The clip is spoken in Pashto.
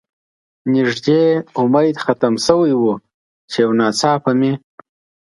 نږدې امید ختم شوی و، چې یو ناڅاپه مې.